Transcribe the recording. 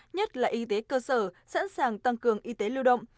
nhất là y tế cơ sở sẵn sàng tăng cường y tế lưu động